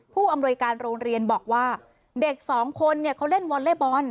ผู้อำนวยการโรงเรียนบอกว่าเด็กสองคนเนี่ยเขาเล่นวอลเล่บอล